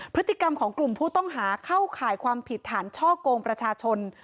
พฤติกรรมของกลุ่มผู้ต้องหาเข้าข่ายความผิดฐานช่อกงประชาชน